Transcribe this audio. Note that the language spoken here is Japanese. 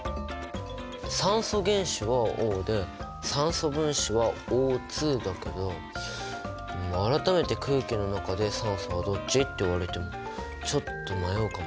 酸素原子はＯで酸素分子はＯだけど改めて空気の中で「酸素はどっち？」って言われてもちょっと迷うかも。